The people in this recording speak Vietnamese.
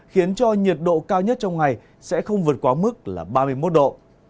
khiến cho nhiệt độ cao nhất trong ngày sẽ không vượt quá mức là ba mươi một độ